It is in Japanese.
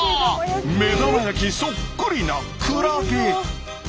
目玉焼きそっくりなクラゲ。